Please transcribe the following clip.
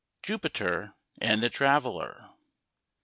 JUPITER AND THE TRAVELLER.